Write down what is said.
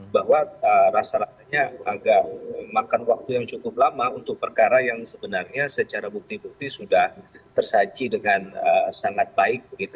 bahwa rasa rasanya agak makan waktu yang cukup lama untuk perkara yang sebenarnya secara bukti bukti sudah tersaji dengan sangat baik